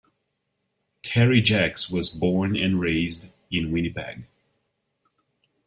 Terry Jacks was born and raised in Winnipeg.